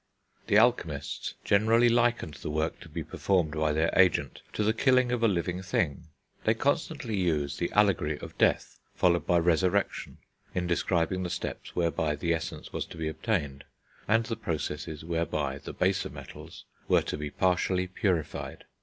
The alchemists generally likened the work to be performed by their agent to the killing of a living thing. They constantly use the allegory of death, followed by resurrection, in describing the steps whereby the Essence was to be obtained, and the processes whereby the baser metals were to be partially purified.